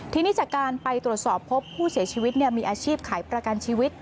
ทีนี้จากการไปตรวจสอบพบผู้เสียชีวิตมีอาชีพขายประกันชีวิต